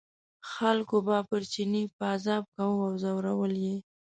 خلکو به پر چیني پازاب کاوه او ځورول یې.